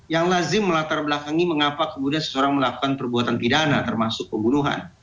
yang lazim melatar belakangi mengapa kemudian seseorang melakukan perbuatan pidana termasuk pembunuhan